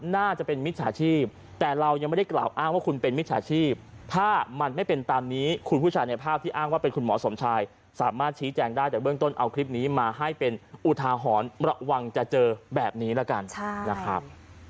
น่าจะเป็นมิจฉาชีพแต่เรายังไม่ได้กล่าวอ้างว่าคุณเป็นมิจฉาชีพถ้ามันไม่เป็นตามนี้คุณผู้ชายในภาพที่อ้างว่าเป็นคุณหมอสมชายสามารถชี้แจงได้แต่เบื้องต้นเอาคลิปนี้มาให้เป็นอุทาหรณ์ระวังจะเจอแบบนี้แล้วกันนะครับ